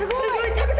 食べた！